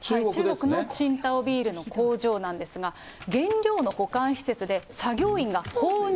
中国の青島ビールの工場なんですが、原料の保管施設で作業員が放尿。